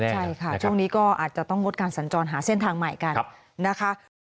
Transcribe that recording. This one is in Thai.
ใช่ค่ะช่วงนี้ก็อาจจะต้องงดการสัญจรหาเส้นทางใหม่กันนะคะ